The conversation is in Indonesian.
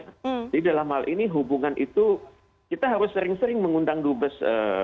jadi dalam hal ini hubungan itu kita harus sering sering mengundang dubes